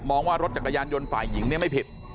ว่ารถจักรยานยนต์ฝ่ายหญิงเนี่ยไม่ผิด